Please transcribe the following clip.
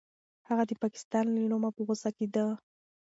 هغه د پاکستان له نومه په غوسه کېده.